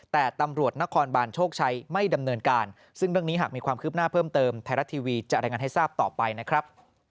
แต่ตำรวจนครบานโชคชัยไม่ดำเนินการซึ่งเรื่องนี้หากมีความคืบหน้าเพิ่มเติมไทยรัฐทีวีจะรายงานให้ทราบต่อไปนะครับ